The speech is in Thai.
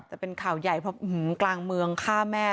แต่เป็นข่าวใหญ่เพราะกลางเมืองฆ่าแม่